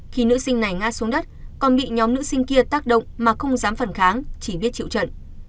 khi nữ sinh này ngã xuống đất còn bị nhóm nữ sinh kia tác động mà không dám phần kháng chỉ biết chịu trận